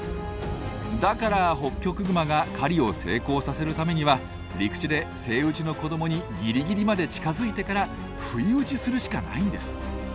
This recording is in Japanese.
だからホッキョクグマが狩りを成功させるためには陸地でセイウチの子どもにギリギリまで近づいてから不意打ちするしかないんです。